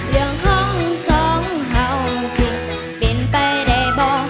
เรื่องของสองเห่าสิเป็นไปได้บ่